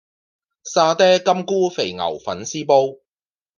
沙嗲金菇肥牛粉絲煲